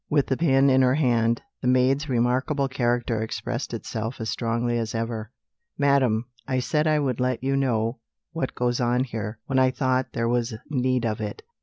With the pen in her hand, the maid's remarkable character expressed itself as strongly as ever: "Madam, I said I would let you know what goes on here, when I thought there was need of it.